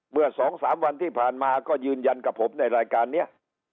เมื่อ๒๓วันที่ผ่านมาก็ยืนยันกับผมในรายการนี้